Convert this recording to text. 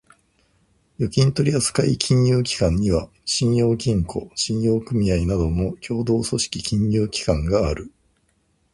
預金取扱金融機関には、信用金庫、信用組合などの協同組織金融機関がある。